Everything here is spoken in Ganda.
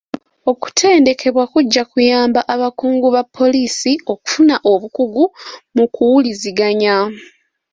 Okutendekebwa kujja kuyamba abakungu ba bapoliisi okufuna obukugu mu kuwuliziganya.